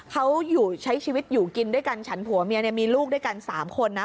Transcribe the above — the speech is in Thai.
เขาอยู่ใช้ชีวิตอยู่กินด้วยกันฉันผัวเมียเนี่ยมีลูกด้วยกัน๓คนนะ